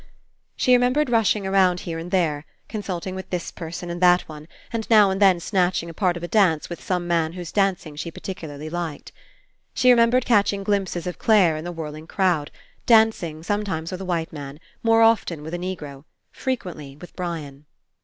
She remembered rushing around here and there, consulting with this person and that one, and now and then snatching a part of a dance with some man whose dancing she par ticularly liked. She remembered catching glimpses of Clare in the whirling crowd, dancing, some times with a white man, more often with a Negro, frequently with Brian.